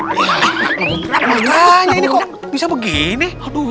minyaknya ini kok bisa begini